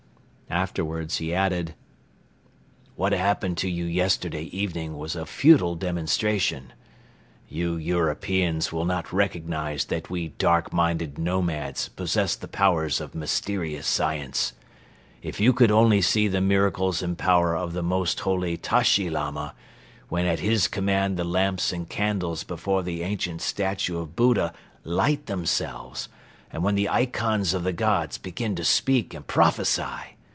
Afterwards he added: "What happened to you yesterday evening was a futile demonstration. You Europeans will not recognize that we dark minded nomads possess the powers of mysterious science. If you could only see the miracles and power of the Most Holy Tashi Lama, when at his command the lamps and candles before the ancient statue of Buddha light themselves and when the ikons of the gods begin to speak and prophesy!